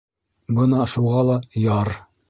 Бына шуға ла Яр!